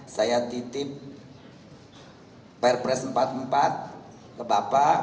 saya titip fire press empat puluh empat ke bapak